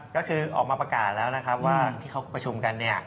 ก็คือออกมาประกาศแล้วนะครับว่าที่เขาประชุมกันเนี่ย